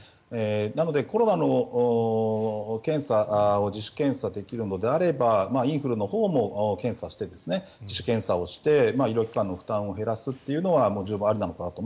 なので、コロナの検査を自主検査できるのであればインフルのほうも自主検査をして医療機関の負担を減らすのは十分ありかなと。